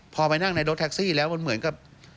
พอไปนั่งในรถแท็กซี่แล้วมันเหมือนกับ